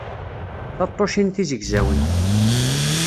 Taṭṭucin tizegzawin.